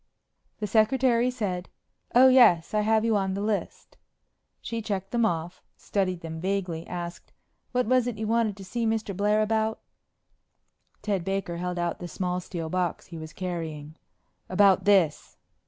The secretary said, "Oh, yes. I have you on the list." She checked them off, studied them vaguely, asked, "What was it you wanted to see Mr. Blair about?" Ted Baker held out the small steel box he was carrying. "About this."